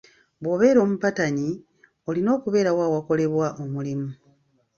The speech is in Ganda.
Bw'obera omupatanyi, olina okubeerawo awakolebwa omulimu.